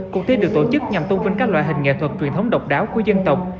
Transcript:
cuộc thi được tổ chức nhằm tôn vinh các loại hình nghệ thuật truyền thống độc đáo của dân tộc